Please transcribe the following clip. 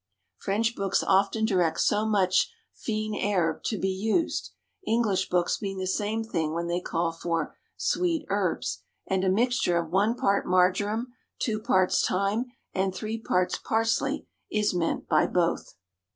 French books often direct so much fine herbs to be used; English books mean the same thing when they call for "sweet herbs," and a mixture of one part marjoram, two parts thyme, and three parts parsley is meant by both.